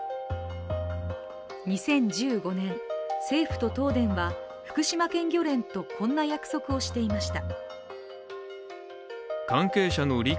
２０１５年、政府と東電は福島県漁連とこんな約束をしていました。